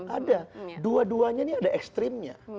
ada dua duanya ini ada ekstrimnya